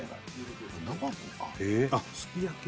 あっすき焼き・